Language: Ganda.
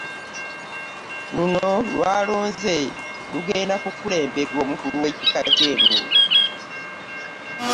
Luno lw'alonze lugenda kukulemberwa omukulu w'ekika ky'e Ngo.